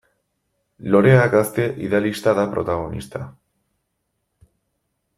Lorea gazte idealista da protagonista.